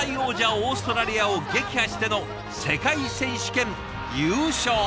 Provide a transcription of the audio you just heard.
オーストラリアを撃破しての世界選手権優勝。